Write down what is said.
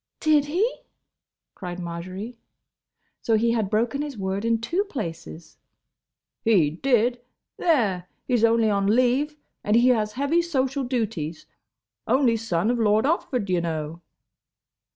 "Did he?" cried Marjory. So he had broken his word in two places! "He did. There! He's only on leave, and he has heavy social duties. Only son of Lord Otford, y' know."